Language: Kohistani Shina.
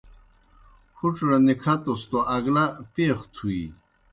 ہُڇھڑ نِکَھتُس توْ اگلہ پیخہ تُھوِیی۔